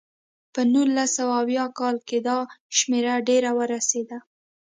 په نولس سوه اویا کال کې دا شمېره ډېره ورسېده.